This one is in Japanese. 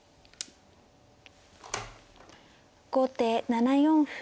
後手７四歩。